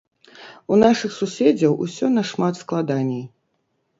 У нашых суседзяў усё нашмат складаней.